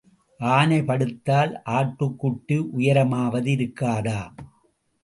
ஆனை படுத்தால் ஆட்டுக்குட்டி உயரமாவது இருக்காதா?